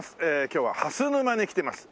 今日は蓮沼に来てます。